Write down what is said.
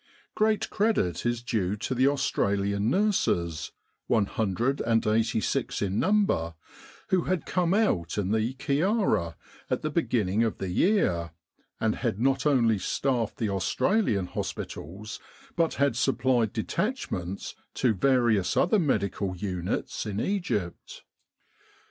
Great credit is due to the Australian nurses, 186 in number, who had come out in the Kyarra, at the beginning of the year, and had not only staffed the Australian hospitals, but had supplied detachments to various other medical units in Egypt.